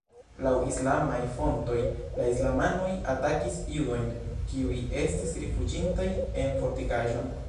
Laŭ islamaj fontoj, la islamanoj atakis judojn kiuj estis rifuĝintaj en fortikaĵon.